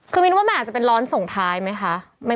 คือมินว่ามันอาจจะเป็นร้อนส่งท้ายไหมคะ